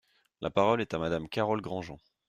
La parole est à Madame Carole Grandjean.